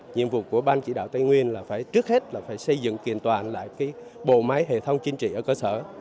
nhiệm vụ của ban chỉ đạo tây nguyên là phải trước hết là phải xây dựng kiện toàn lại bộ máy hệ thống chính trị ở cơ sở